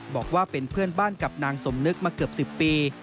บอกว่าเป็นเพื่อนบ้านกับนางสมนึกมาเกือบ๑๐ปี